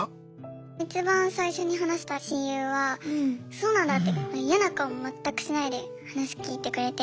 一番最初に話した親友は「そうなんだ」って嫌な顔全くしないで話聞いてくれて。